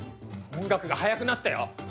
音楽が速くなったよ。